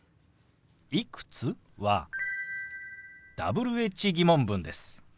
「いくつ？」はＷｈ−疑問文です。